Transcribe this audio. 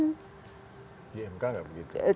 di mk nggak begitu